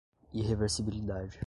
irreversibilidade